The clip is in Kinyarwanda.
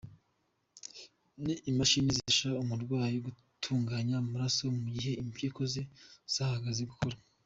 Ni imashini zifasha umurwayi gutunganya amaraso mu gihe impyiko ze zahagaze gukora.